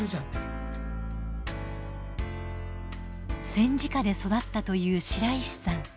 戦時下で育ったという白石さん。